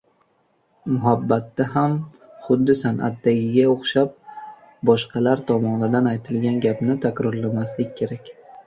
Muhabbatda ham xuddi san’atdagiga o‘xshab boshqalar tomonidan aytilgan gapni takrorlamaslik kerak;